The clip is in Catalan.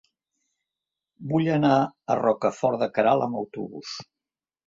Vull anar a Rocafort de Queralt amb autobús.